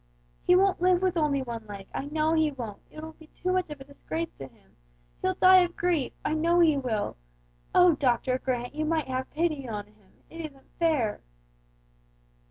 "He won't live with only one leg, I know he won't, it will be too much of a disgrace to him; he'll die of grief, I know he will! Oh, Doctor Grant, you might have pity on him, it isn't fair!"